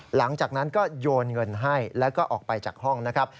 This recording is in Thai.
หลังจากนั้นก็โยนเงินให้แล้วก็ออกไปจากห้องนะครับ